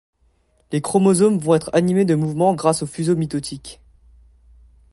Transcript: Les chromosomes vont être animés de mouvements grâce au fuseau mitotique.